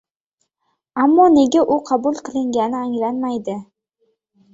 ammo nega u qabul qilingani anglanmaydi.